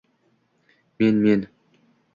— Men... men...